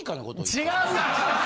違う。